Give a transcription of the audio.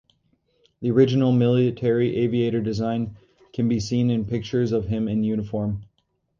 The original Military Aviator design can be seen in pictures of him in uniform.